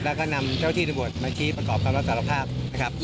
แล้วก็นำเจ้าที่สมบวนมาที่ประกอบตลอดตลอดภาพนะครับ